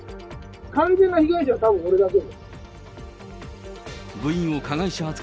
完全な被害者はたぶん俺だけ。